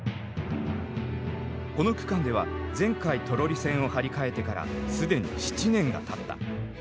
この区間では前回トロリ線を張り替えてから既に７年がたった。